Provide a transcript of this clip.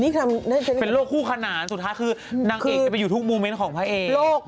นี่เป็นโรคคู่ขนานสุดท้ายคือนางเอกจะไปอยู่ทุกโมเมนต์ของพระเอก